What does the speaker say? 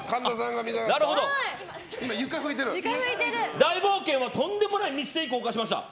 大冒険はとんでもないミステイクを犯しました。